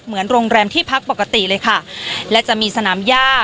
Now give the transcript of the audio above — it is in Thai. เหมือนโรงแรมที่พักปกติเลยค่ะและจะมีสนามย่า